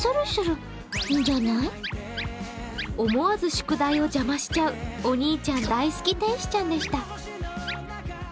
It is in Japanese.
思わず宿題を邪魔しちゃうお兄ちゃん大好き天使ちゃんでした。